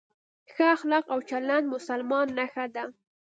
ښه اخلاق او چلند د مسلمان نښه ده.